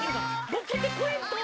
ボケてくれんと！